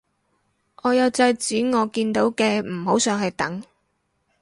我有制止我見到嘅唔好上去等